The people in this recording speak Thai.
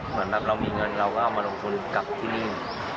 เหมือนแบบเรามีเงินเราก็เอามาลงทุนกลับที่นี่